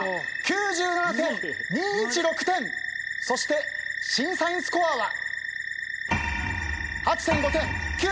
そして審査員スコアは。